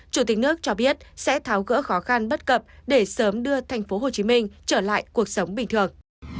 chủ tịch nước cho biết sẽ tháo gỡ khó khăn bất cập để sớm đưa thành phố hồ chí minh trở lại cuộc sống bình thường